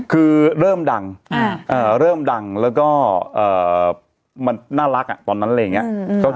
คือเริ่มดังเริ่มดังแล้วก็มันน่ารักตอนนั้นอะไรอย่างนี้